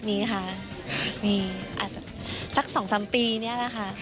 มีค่ะมีอาจจะสัก๒๓ปีนี่แหละค่ะ